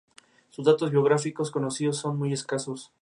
La revista de investigación más importante se llama "Iberoamericana.